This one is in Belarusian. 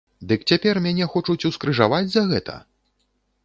Дык цяпер мяне хочуць ускрыжаваць за гэта?